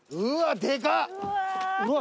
でかっ。